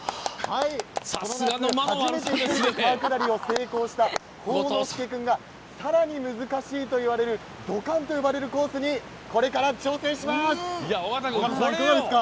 この夏、初めて川下りを成功させた幸之介君がさらに難しいといわれるドカンと呼ばれるコースにこれから挑戦します。